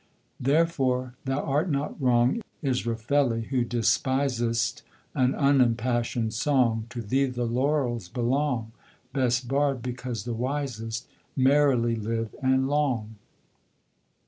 Therefore thou art not wrong, Israfeli, who despisest An unimpassioned song; To thee the laurels belong, Best bard, because the wisest! Merrily live, and long!